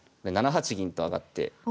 ７八銀と上がって。